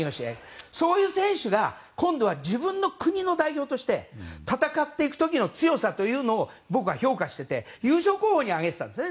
そういう選手が今度は自分の国の代表として戦っていく時の強さというのを僕は評価していて優勝候補に挙げていたんですね